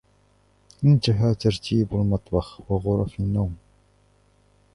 انتهى ترتيب المطبخ و غرف النّوم.